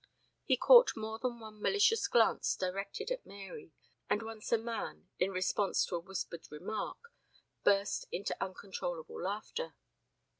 He caught more than one malicious glance directed at Mary, and once a man, in response to a whispered remark, burst into uncontrollable laughter.